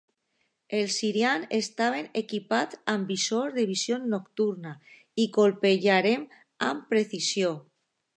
Els sirians estaven equipats amb visors de visió nocturna, i colpejaren amb precisió.